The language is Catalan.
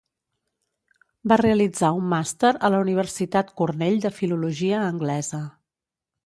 Va realitzar un màster a la Universitat Cornell de filologia anglesa.